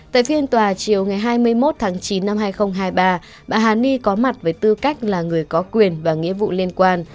tại phiên tòa chiều ngày hai mươi một tháng chín năm hai nghìn hai mươi ba bà hà ni có mặt với tư cách là người có quyền và nghĩa vụ liên quan